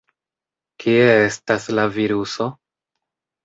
Kie estas la viruso?